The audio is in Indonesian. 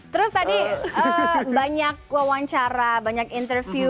terus tadi banyak wawancara banyak interview